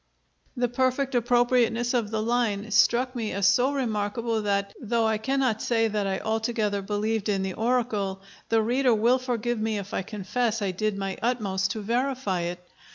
The perfect appropriateness of the line struck me as so remarkable that, though I cannot say that I altogether believed in the oracle, the reader will forgive me if I confess I did my utmost to verify it.